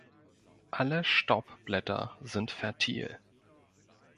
Alle Staubblätter sind fertil.